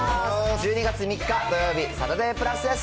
１２月３日土曜日、サタデープラスです。